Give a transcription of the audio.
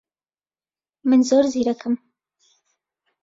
من زۆر زیرەکم.